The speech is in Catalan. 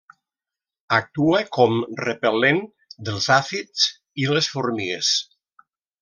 Actua com repel·lent dels àfids i les formigues.